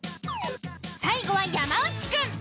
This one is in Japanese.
最後は山内くん。